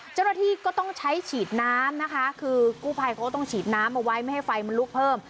เจ้าหน้าที่ก็ต้องใช้ฉีดน้ำนะคะคือกู้ภัยเขาก็ต้องฉีดน้ำเอาไว้ไม่ให้ไฟมันลุกเพิ่ม